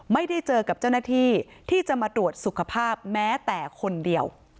ไม่ได้เจอกับเจ้าหน้าที่ที่จะมาตรวจสุขภาพแม้แต่คนเดียว